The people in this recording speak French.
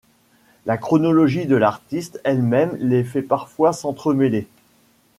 La chronologie de l'artiste elle-même les fait parfois s'entremêler.